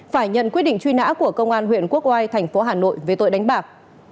phải nhận quyết định truy nã của công an huyện quốc oai thành phố hà nội về tội đánh bạc